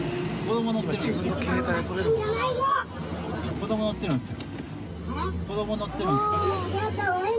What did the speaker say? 子供乗ってるんすよ。